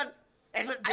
aduh kepala gua sakit